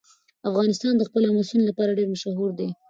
افغانستان د خپل آمو سیند لپاره ډېر مشهور دی.